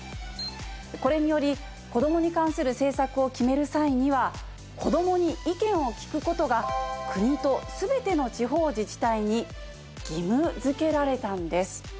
これにより子供に関する政策を決める際には子供に意見を聞くことが国と全ての地方自治体に義務づけられたんです。